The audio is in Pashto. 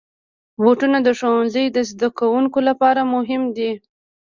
بوټونه د ښوونځي زدهکوونکو لپاره مهم دي.